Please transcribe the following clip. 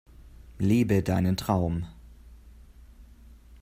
Lebe deinen Traum!